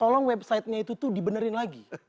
tolong websitenya itu tuh dibenerin lagi